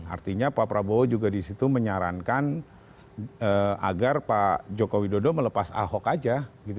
artinya pak prabowo juga disitu menyarankan agar pak joko widodo melepas ahok aja